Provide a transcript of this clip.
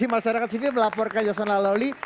kualitas masyarakat sivil melaporkan yasona lawli